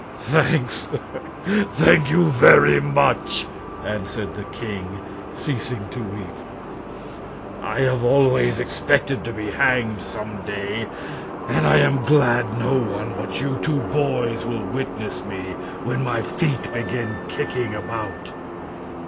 "Thanks! Thank you very much!" answered the king, ceasing to weep. "I have always expected to be hanged some day, and I am glad no one but you two boys will witness me when my feet begin kicking about."